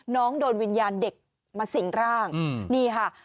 น้องโดนวิญญาณเด็กมาสิ่งร่างนี่ค่ะ